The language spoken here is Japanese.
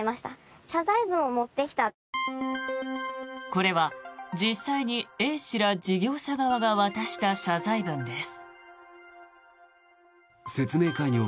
これは実際にＡ氏ら事業者側が渡した謝罪文です。